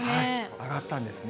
上がったんですね。